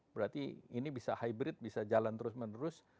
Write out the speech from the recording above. berarti ini bisa hybrid bisa jalan terus menerus